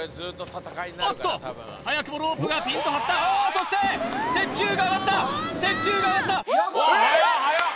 おっと早くもロープがピンと張ったああそして鉄球が上がった鉄球が上がった早っ！